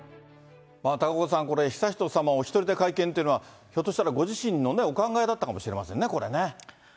高岡さん、悠仁さまお１人で会見っていうのは、ひょっとしたら、ご自身のお考えだったかもしれませんね、これね。